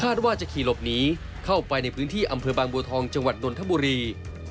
ว่าจะขี่หลบหนีเข้าไปในพื้นที่อำเภอบางบัวทองจังหวัดนนทบุรี